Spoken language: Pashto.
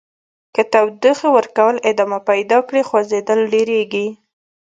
که تودوخې ورکول ادامه پیدا کړي خوځیدل ډیریږي.